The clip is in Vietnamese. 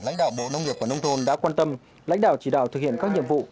lãnh đạo bộ nông nghiệp và nông thôn đã quan tâm lãnh đạo chỉ đạo thực hiện các nhiệm vụ